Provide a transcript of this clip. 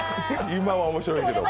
今は面白いけど。